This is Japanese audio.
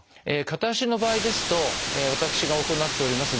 片足の場合ですと私が行っております